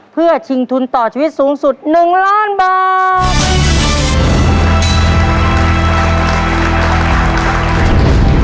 เพื่อชิงทุนต่อชีวิตสูงสุด๑ล้านบาท